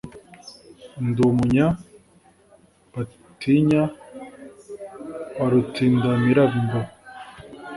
Ndi umunya batinya wa Rutindamirambo